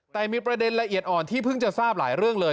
แต่มีประเด็นละเอียดอ่อนที่เพิ่งจะทราบหลายเรื่องเลย